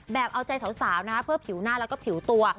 เอาใจสาวนะคะเพื่อผิวหน้าแล้วก็ผิวตัว